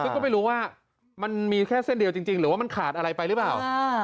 ซึ่งก็ไม่รู้ว่ามันมีแค่เส้นเดียวจริงหรือว่ามันขาดอะไรไปหรือเปล่า